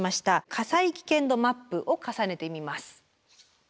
火災危険度マップを重ねてみます。